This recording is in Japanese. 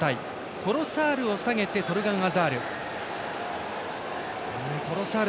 トロサールを下げてトルガン・アザール。